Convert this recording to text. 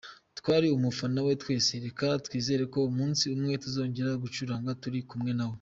Twari umufana we twese, reka twizere ko umunsi umwe tuzongera gucuranga turi kumwe nawe.